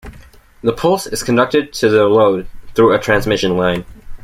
The pulse is conducted to the load through a transmission line.